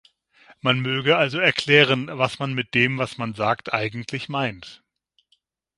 Man möge also erklären, was man mit dem, was man sagt, eigentlich meint!